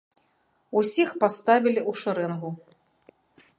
Усіх паставілі ў шарэнгу.